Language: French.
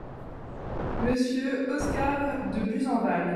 Monsieur Oscar de Buzenval.